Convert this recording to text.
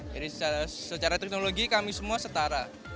jadi secara teknologi kami semua setara